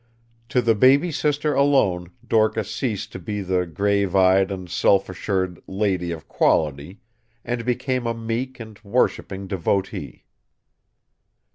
To the baby sister alone Dorcas ceased to be the grave eyed and self assured Lady of Quality, and became a meek and worshiping devotee.